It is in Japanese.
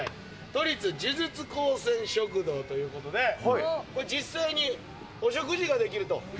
都立呪術高専食堂ということで、これ、実際にお食事ができると。